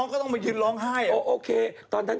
เขาทำงานไป